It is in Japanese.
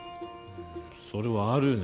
それはあるね。